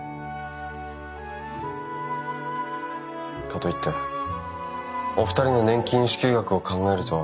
かといってお二人の年金支給額を考えると。